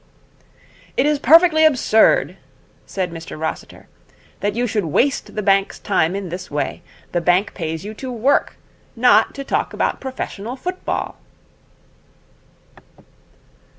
'It is perfectly absurd,' said Mr Rossiter, 'that you should waste the bank's time in this way. The bank pays you to work, not to talk about professional football.'